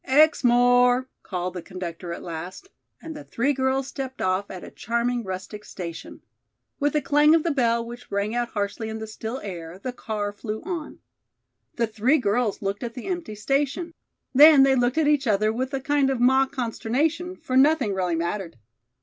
"Exmoor!" called the conductor at last, and the three girls stepped off at a charming rustic station. With a clang of the bell which rang out harshly in the still air, the car flew on. The three girls looked at the empty station. Then they looked at each other with a kind of mock consternation, for nothing really mattered.